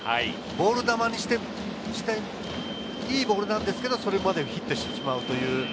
ボール球にして、いいボールなんですけれど、それまでもヒットにされてしまう。